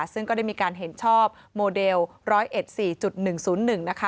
ซึ่งก็ได้มีการเห็นชอบโมเดลร้อยเอ็ดสี่จุดหนึ่งศูนย์หนึ่งนะคะ